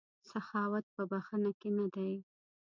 سخاوت په بښنه کې نه دی.